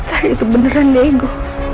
tadi itu beneran dego